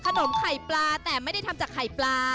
ขนมไข่ปลาแต่ไม่ได้ทำจากไข่ปลา